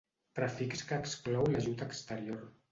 Prefix que exclou l'ajut exterior.